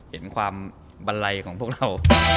เห็นความบันไลของพวกเรา